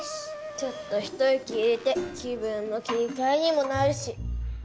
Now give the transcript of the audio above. ちょっと一息入れて気分の切り替えにもなるし。